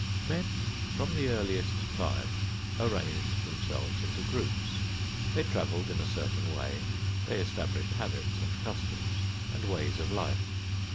Men from the earliest time arranged themselves into groups; they traveled in a certain way; they established habits and customs and ways of life.